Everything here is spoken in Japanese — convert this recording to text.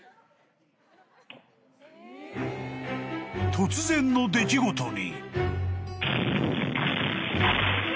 ［突然の出来事に］